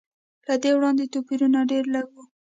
له دې وړاندې توپیرونه ډېر لږ و.